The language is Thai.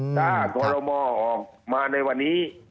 ถ้าขอรมอออกมาในวันนี้